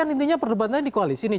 kan intinya perdebatannya di koalisi nih